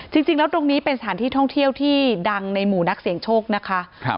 จริงแล้วตรงนี้เป็นสถานที่ท่องเที่ยวที่ดังในหมู่นักเสี่ยงโชคนะคะ